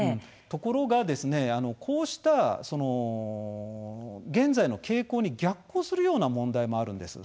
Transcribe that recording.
ところが、こうした現在の傾向に逆行するような問題もあるんです。